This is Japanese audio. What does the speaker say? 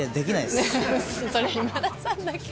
それ今田さんだけです。